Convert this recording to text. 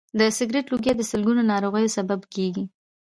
د سګرټ لوګی د سلګونو ناروغیو سبب کېږي.